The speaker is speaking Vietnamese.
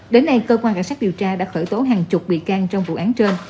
đến nay cơ quan cảnh sát điều tra đã khởi tố hàng chục bị can trong vụ án trên